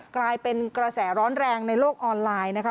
กลายเป็นกระแสร้อนแรงในโลกออนไลน์นะคะ